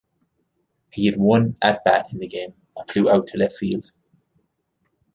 He had one at-bat in the game, and flew out to left field.